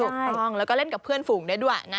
ถูกต้องแล้วก็เล่นกับเพื่อนฝูงได้ด้วยนะ